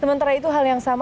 sementara itu hal yang sama